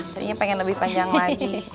jadinya pengen lebih panjang lagi